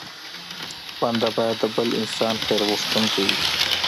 بنده بايد د بل انسان خیر غوښتونکی وي.